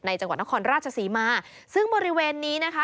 จังหวัดนครราชศรีมาซึ่งบริเวณนี้นะคะ